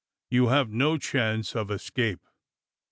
You have no chance of escape.